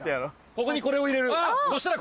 ここにこれを入れるそしたら。